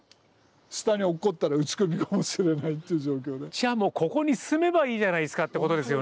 じゃあもうここに住めばいいじゃないですかってことですよね。